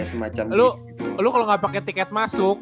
eh lu kalo gak pake tiket masuk